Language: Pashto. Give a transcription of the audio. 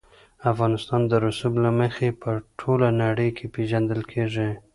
افغانستان د رسوب له مخې په ټوله نړۍ کې پېژندل کېږي.